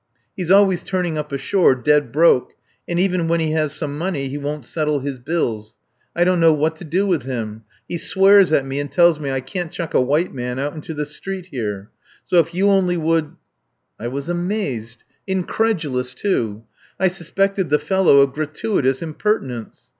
He's always turning up ashore dead broke, and even when he has some money he won't settle his bills. I don't know what to do with him. He swears at me and tells me I can't chuck a white man out into the street here. So if you only would. ..." I was amazed. Incredulous, too. I suspected the fellow of gratuitous impertinence.